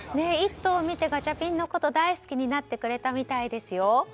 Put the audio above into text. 「イット！」を見てガチャピンのことを大好きになってくれたみたいですよ。